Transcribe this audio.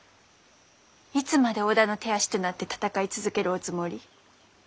いつまで織田の手足となって戦い続けるおつもり？